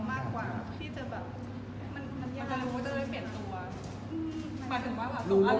เอิ่มมากที่จะและมันยาก